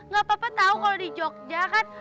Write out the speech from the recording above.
gak apa apa tahu kalau di jogja kan